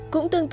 cũng tương tự